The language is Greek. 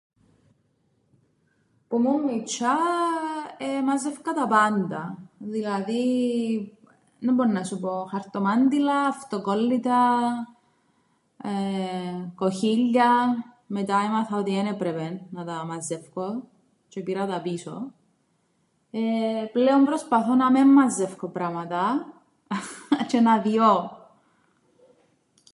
Που ’μουν μιτσ̆ιά εμάζευκα τα πάντα, δηλαδή ίνναμπο' 'ννά σου πω, χαρτομάντιλα, αυτοκόλλητα, ε κοχύλια, μετά έμαθα ότι εν έπρεπεν να τα μαζεύκω τζ̆αι επήρα τα πίσω, εεε πλέον προσπαθώ να μεν μαζεύκω πράματα τζ̆αι να διώ.